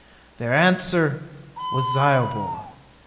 Their answer was Zyobor.